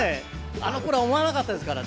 あの頃は思わなかったですからね。